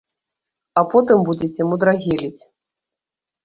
А потым будзеце мудрагеліць.